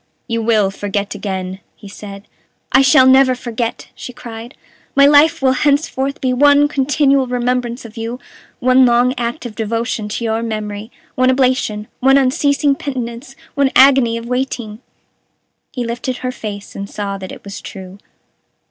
"You will forget again," he said. "I shall never forget!" she cried. "My life will henceforth be one continual remembrance of you, one long act of devotion to your memory, one oblation, one unceasing penitence, one agony of waiting!" He lifted her face, and saw that it was true.